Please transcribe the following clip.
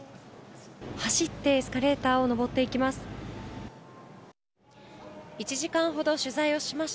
走ってエスカレーターを上っていきます。